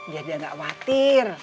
jadi nggak khawatir